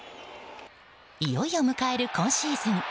いよいよ迎える今シーズン。